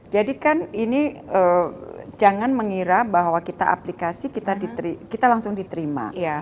jadi kan ini jangan mengira bahwa kita aplikasi kita langsung diterima